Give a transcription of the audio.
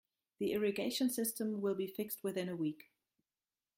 The irrigation system will be fixed within a week.